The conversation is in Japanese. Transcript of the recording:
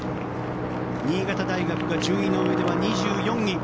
新潟大学が順位の上では２４位。